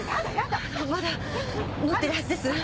まだ乗ってるはずです！